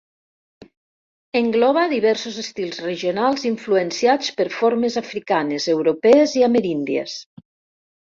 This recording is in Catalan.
Engloba diversos estils regionals influenciats per formes africanes, europees i ameríndies.